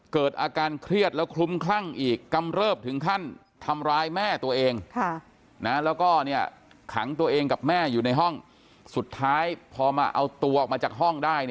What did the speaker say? ก็ขังตัวเองกับแม่อยู่ในห้องสุดท้ายพอมาเอาตัวออกมาจากห้องได้